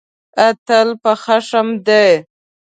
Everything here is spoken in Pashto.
اتل په خښم دی.